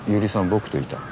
僕といた。